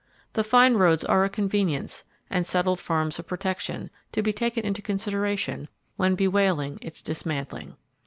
The fine roads are a convenience, and settled farms a protection, to be taken into consideration, when bewailing its dismantling.